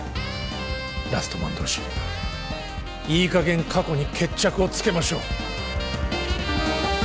ラストマン同士いいかげん過去に決着をつけましょう